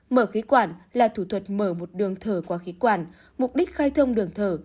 mở khí quản là thủ thuật mở một đường thở qua khí quản mục đích khai thông đường thở